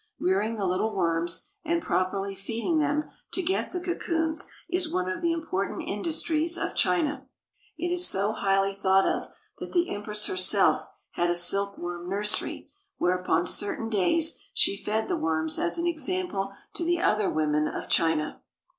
Rearing the little worms and properly feeding them to get the cocoons is one of the important industries of China. It is so highly thought of that the Empress herself had a silkworm nurs ery, where, upon certain days, she fed the worms as an example to the other women of China.